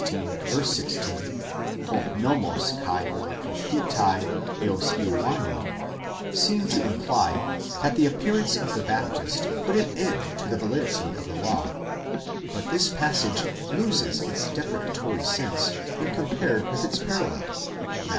16, ὁ νόμος καὶ of προφῆται ἕως Ἰωάννου, seem to imply, that the appearance of the Baptist put an end to the validity of the law; but this passage loses its depreciatory sense when compared with its parallel, Matt.